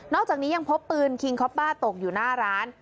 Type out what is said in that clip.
อกจากนี้ยังพบปืนคิงคอปป้าตกอยู่หน้าร้าน